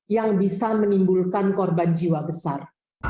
yang bisa menimbulkan korban jiwa besar